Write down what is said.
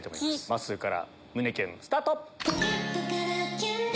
まっすーから胸キュンスタート。